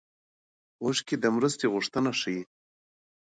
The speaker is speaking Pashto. اوښکې د مرستې غوښتنه ښيي.